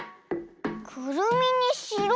「くるみにしろ」？